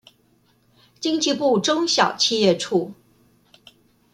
經濟部中小企業處